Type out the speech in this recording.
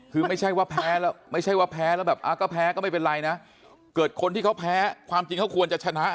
คือไม่ใช่ว่าแพ้แล้วแบบก็แพ้ก็ไม่เป็นไรนะเกิดคนที่เขาแพ้ความจริงเขาควรจะชนะ